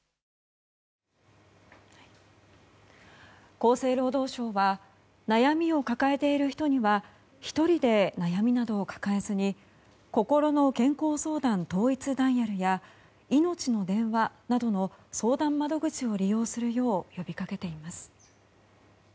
厚生労働省は悩みを抱えている人には１人で悩みなどを抱えずにこころの健康相談統一ダイヤルやいのちの電話などの相談窓口を利用するよう呼びかけています。